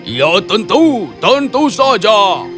iya tentu saja